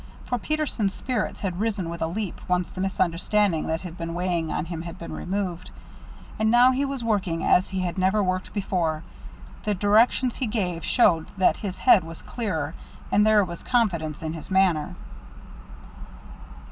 For Peterson's spirits had risen with a leap, once the misunderstanding that had been weighing on him had been removed, and now he was working as he had never worked before. The directions he gave showed that his head was clearer; and there was confidence in his manner.